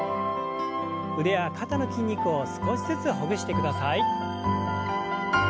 腕や肩の筋肉を少しずつほぐしてください。